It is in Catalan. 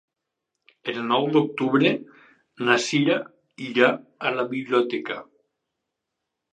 El nou d'octubre na Sira irà a la biblioteca.